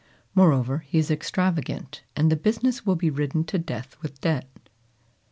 Moreover, he is extravagant, and the business will be ridden to death with debt."